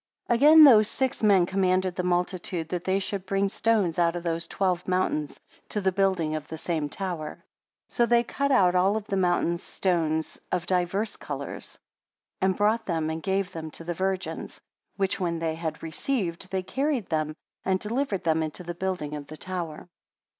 34 Again, those six men commanded the multitude, that they should bring stones out of those twelve mountains to the building of the same tower. 35 So they cut out of all the mountains stones of divers colours, and brought them and gave them to the virgins; which when they had received they carried them, and delivered them into the building of the tower.